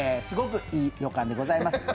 すごくいい旅館でございます。